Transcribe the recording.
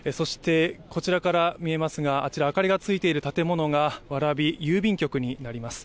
こちらから見えますが、あちら、明かりがついている建物が蕨郵便局になります。